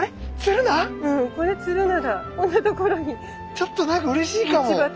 ちょっと何かうれしいかも。